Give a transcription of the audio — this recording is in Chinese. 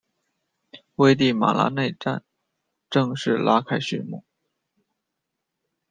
危地马拉内战正式拉开序幕。